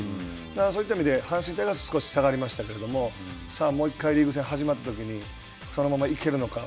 そういった意味で、阪神タイガースは少し下がりましたけど、さあ、もう一回、リーグ戦が始まったときにそのまま行けるのか。